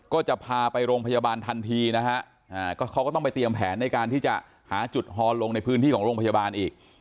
ก็จะพาไปโรงพยาบาลทันทีนะฮะก็เขาก็ต้องไปเตรียมแผนในการที่จะหาจุดฮอนลงในพื้นที่ของโรงพยาบาลอีก